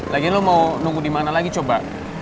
lagian lo mau nunggu dimana lagi coba